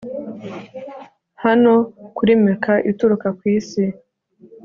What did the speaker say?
hano kuri meka itukura kwisi